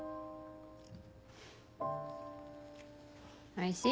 おいしい？